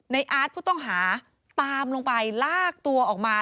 อาร์ตผู้ต้องหาตามลงไปลากตัวออกมา